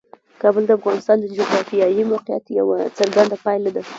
کابل د افغانستان د جغرافیایي موقیعت یوه څرګنده پایله ده.